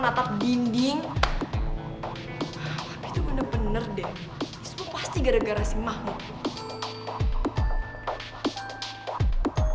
natap dinding itu bener bener deh pasti gara garasi mahmud